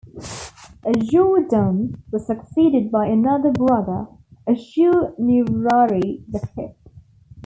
Ashur-dan was succeeded by another brother, Ashur-nirari V.